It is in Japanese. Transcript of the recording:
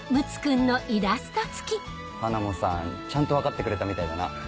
ハナモさんちゃんと分かってくれたみたいだな。